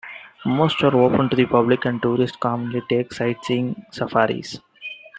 Most are open to the public, and tourists commonly take sightseeing safaris.